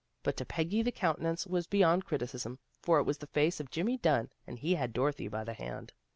But to Peggy the countenance was beyond criticism, for it was the face of Jimmy Dunn and he had Dorothy by the hand.